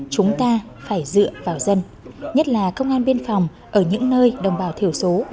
chúng ta phải dựa vào dân nhất là công an biên phòng ở những nơi đồng bào thiểu số